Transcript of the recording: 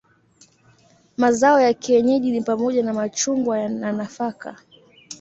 Mazao ya kienyeji ni pamoja na machungwa na nafaka.